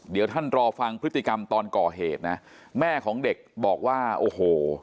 เดี๋ยวท่านรอฟังพฤติกรรมตอนก่อเหตุนะแม่ของเด็กบอกว่าโอ้โห